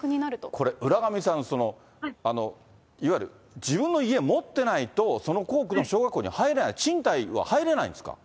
これ、浦上さん、いわゆる自分の家持ってないと、その校区の小学校に入れない、賃貸は入れないんですか。